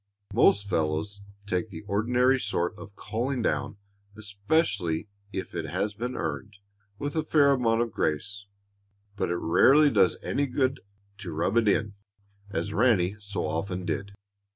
Most fellows take the ordinary sort of "calling down," especially if it has been earned, with a fair amount of grace, but it rarely does any good to rub it in, as Ranny so often did.